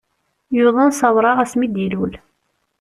Yuḍen sawraɣ ass mi d-ilul.